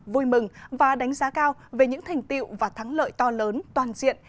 vui mừng và đánh giá cao về những thành tiệu và thắng lợi to lớn toàn diện